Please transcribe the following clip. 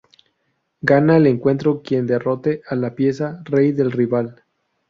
Gana el encuentro quien derrote a la pieza "rey" del rival.